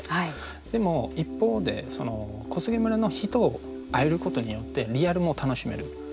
でも一方でその小菅村の人会えることによってリアルも楽しめる。